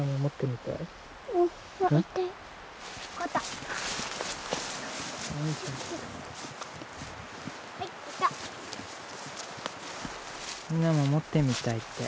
みなも持ってみたいって。